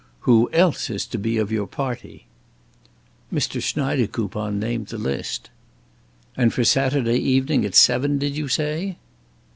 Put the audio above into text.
Who else is to be of your party?" Mr. Schneidekoupon named his list. "And for Saturday evening at seven, did you say?"